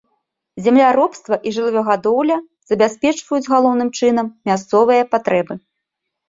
Земляробства і жывёлагадоўля забяспечваюць галоўным чынам мясцовыя патрэбы.